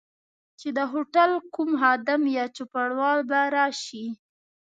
چي د هوټل کوم خادم یا چوپړوال به راشي.